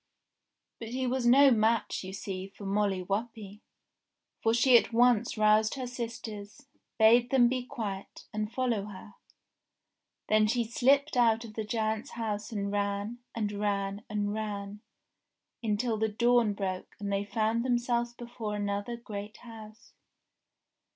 But he was no match you see for Molly Whuppie ; for she at once roused her sisters, bade them be quiet, and follow her. Then she slipped out of the giant's house and ran, and ran, and ran until the dawn broke and they found them selves before another great house.